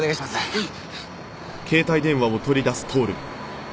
はい。